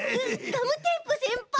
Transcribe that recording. ガムテープせんぱい！